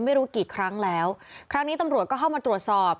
ไม่รู้กี่ครั้งแล้วครั้งนี้ตำรวจก็เข้ามาตรวจสอบ